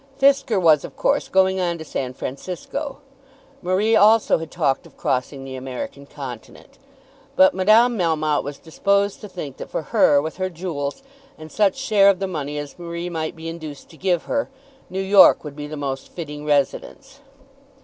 Fisker was, of course, going on to San Francisco. Marie also had talked of crossing the American continent. But Madame Melmotte was disposed to think that for her, with her jewels, and such share of the money as Marie might be induced to give her, New York would be the most fitting residence.